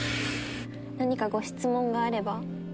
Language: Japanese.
何かご質問があれば。